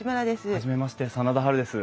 初めまして真田ハルです。